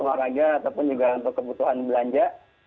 olahraga ataupun juga untuk kebutuhan belanja